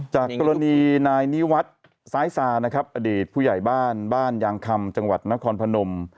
จากกรณีนายนิวัฒน์ซ้ายซานะครับอดีตผู้ใหญ่บ้านบ้านยางคำจังหวัดนครพนม